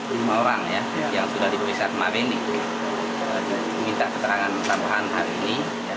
lima orang yang sudah diperiksa kemarin minta keterangan tambahan hari ini